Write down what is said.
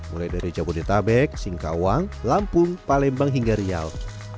mulai dari cabo de tabek singkawang lampung palembang hingga rial